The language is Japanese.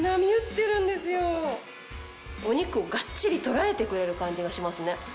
お肉をがっちり捉えてくれる感じがしますね。